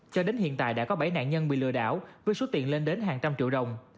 cho đến hiện tại đã có bảy nạn nhân bị lừa đảo với số tiền lên đến hàng trăm triệu đồng